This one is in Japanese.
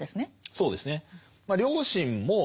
そうですね。